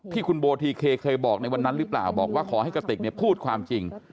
ที่คุณโบทีเคเคยบอกในวันนั้นหรือเปล่าบอกว่าขอให้กระติกพูดความจริง